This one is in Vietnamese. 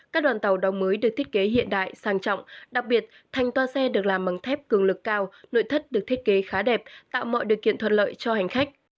các đoàn tàu đóng mới được thiết kế hiện đại sang trọng đặc biệt thành toa xe được làm bằng thép cường lực cao nội thất được thiết kế khá đẹp tạo mọi điều kiện thuận lợi cho hành khách